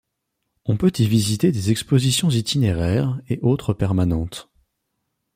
On peut y visiter des expositions itinéraires et autres permanentes.